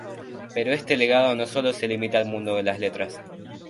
Pero este legado no solo se limita al mundo de las letras.